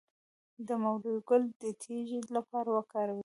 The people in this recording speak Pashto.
د مولی ګل د تیږې لپاره وکاروئ